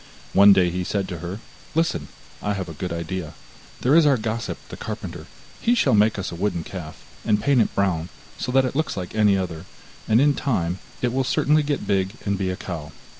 One day he said to her: 'Listen, I have a good idea, there is our gossip the carpenter, he shall make us a wooden calf, and paint it brown, so that it looks like any other, and in time it will certainly get big and be a cow.